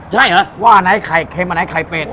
ใช่เหรอว่าอันไหนไข่เค็มอันไหนไข่เป็ด